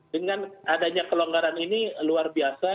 dengan adanya kelonggaran ini luar biasa